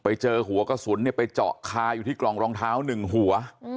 ไปเจอหัวกระสุนไปเจาะคาอยู่ที่กล่องรองเท้า๑หัว